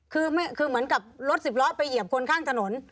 คือเหมือนกับรถสิบล้อไปเหยียบคนข้างถนน